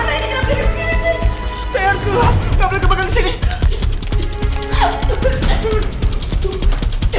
saya harus keluar nggak boleh kebangga ke sini